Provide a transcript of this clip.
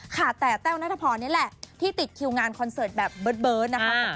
ค่ะแต่เต้วนาธพรเนี่ยแหละที่ติดคิวงานคอนเสิร์ตแบบเบิ๊ดเบิ๊ดนะครับ